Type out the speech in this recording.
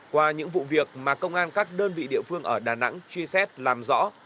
qua những vụ việc mà công an các đơn vị địa phương ở đà nẵng truy xét làm rõ